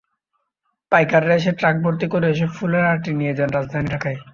পাইকাররা এসে ট্রাকভর্তি করে এসব ফুলের আঁটি নিয়ে যান রাজধানী ঢাকায়।